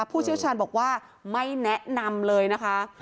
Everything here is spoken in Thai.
ผู้เชี่ยวชาญบอกว่าไม่แนะนำเลยนะคะ